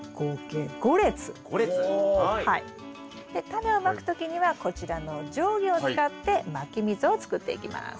タネをまく時にはこちらの定規を使ってまき溝を作っていきます。